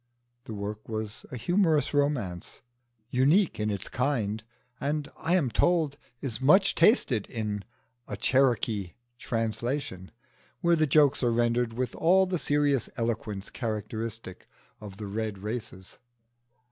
(The work was a humorous romance, unique in its kind, and I am told is much tasted in a Cherokee translation, where the jokes are rendered with all the serious eloquence characteristic of the Red races.)